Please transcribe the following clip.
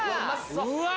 うわ！